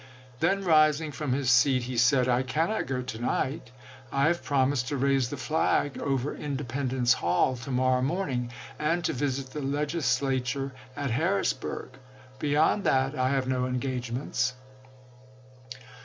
Then rising from his seat he said : "I cannot go to night; I have promised to raise the flag over Independence Hall to morrow morn ing, and to visit the Legislature at Harrisburg. Beyond that I have no engagements."